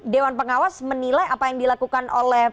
dewan pengawas menilai apa yang dilakukan oleh